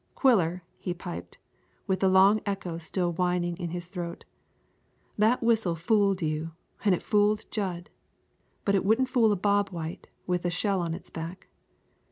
"Quiller," he piped, with the long echo still whining in his throat, "that whistle fooled you an' it fooled Jud, but it wouldn't fool a Bob White with the shell on its back.